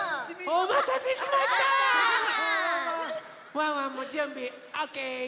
ワンワンもじゅんびオッケー！